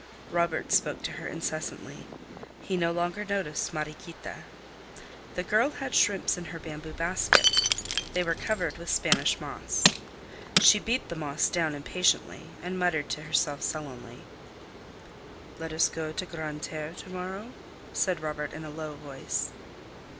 Robert spoke to her incessantly; he no longer noticed Mariequita. The girl had shrimps in her bamboo basket. They were covered with Spanish moss. She beat the moss down impatiently, and muttered to herself sullenly. "Let us go to Grande Terre to morrow?" said Robert in a low voice.